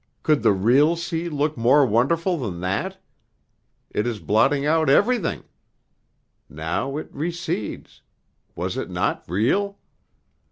Could the real sea look more wonderful than that? It is blotting out everything. Now it recedes, was it not real?"